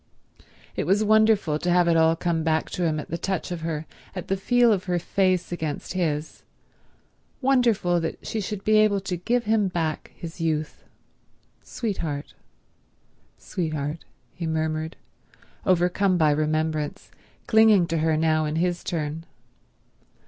It was wonderful to have it all come back to him at the touch of her, at the feel of her face against his—wonderful that she should be able to give him back his youth. "Sweetheart—sweetheart," he murmured, overcome by remembrance, clinging to her now in his turn.